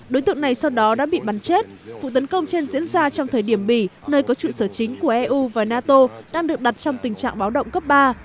đối tượng này sau đó đã bị bắn chết vụ tấn công trên diễn ra trong thời điểm bỉ nơi có trụ sở chính của eu và nato đang được đặt trong tình trạng báo động cấp ba